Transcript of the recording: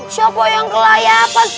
siapa yang ke layapan